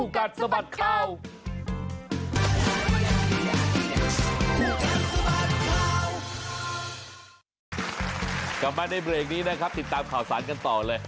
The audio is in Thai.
กลับมาในเบรกนี้นะครับติดตามข่าวสารกันต่อเลย